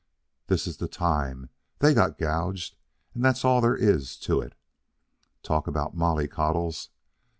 This is the time THEY got gouged, and that's all there is to it. Talk about mollycoddles!